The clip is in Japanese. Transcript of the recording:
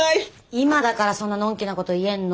今だからそんなのんきなこと言えんの。